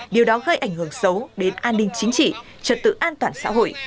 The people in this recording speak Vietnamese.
điều đó gây ảnh hưởng xấu đến an ninh chính trị trật tự an toàn xã hội